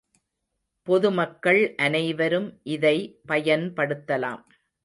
பொது மக்கள் அனைவரும் இதை பயன்படுத்தலாம்.